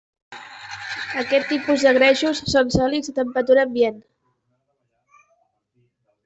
Aquest tipus de greixos són sòlids a temperatura ambient.